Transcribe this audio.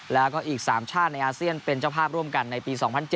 แล้วก็อีก๓ชาติในอาเซียนเป็นเจ้าภาพร่วมกันในปี๒๐๐๗